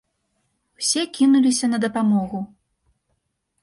Усе кінуліся на дапамогу.